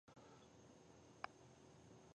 د پښتو ادب ساتنه د تمدن ساتنه ده.